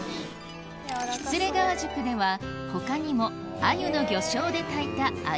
喜連川宿では他にも鮎の魚醤で炊いた鮎